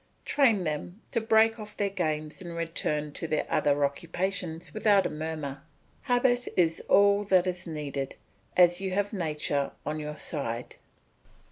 Train them to break off their games and return to their other occupations without a murmur. Habit is all that is needed, as you have nature on your side.